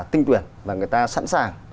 tinh tuyển và người ta sẵn sàng